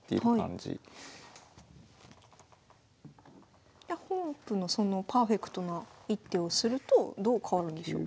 じゃあ本譜のそのパーフェクトな一手をするとどう変わるんでしょうか？